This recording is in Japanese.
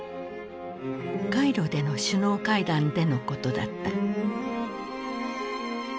カイロでの首脳会談でのことだった。